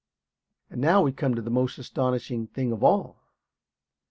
And now we come to the most astonishing thing of all.